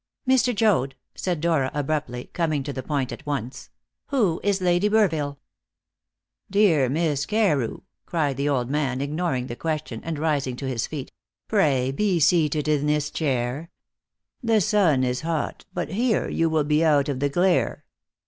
"Mr. Joad," said Dora abruptly, coming to the point at once, "who is Lady Burville?" "Dear Miss Carew," cried the old man, ignoring the question, and rising to his feet, "pray be seated in this chair. The sun is hot, but here you will be out of the glare."